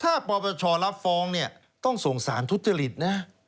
ถ้าปปชรับฟ้องเนี่ยต้องส่งสารทุจริตนะ